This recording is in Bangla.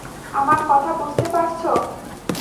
আমার কথা বুঝতে পারছো?